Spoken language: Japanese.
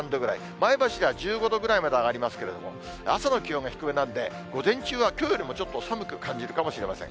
前橋では１５度ぐらいまで上がりますけれども、朝の気温が低めなんで、午前中はきょうよりもちょっと寒く感じるかもしれません。